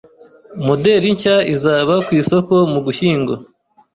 Moderi nshya izaba ku isoko mu Gushyingo.